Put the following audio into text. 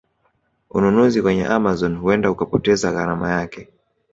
Ununuzi kwenye Amazon huenda ukapoteza gharama yake